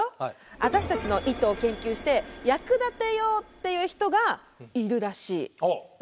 私たちの糸を研究して役立てようっていう人がいるらしい。